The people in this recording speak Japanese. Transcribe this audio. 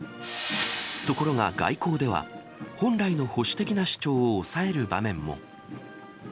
ところが外交では、本来の保守的な主張を抑える場面も。